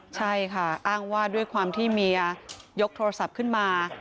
ใช่ค่ะอ้างว่าด้วยความที่เมียยกโทรศัพท์ขึ้นมา